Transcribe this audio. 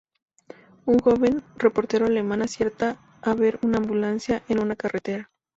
Un joven reportero alemán acierta a ver una ambulancia en una carretera.